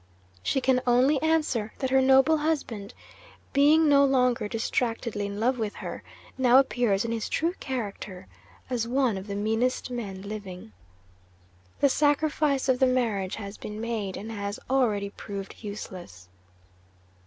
She can only answer that her noble husband (being no longer distractedly in love with her) now appears in his true character, as one of the meanest men living. The sacrifice of the marriage has been made, and has already proved useless.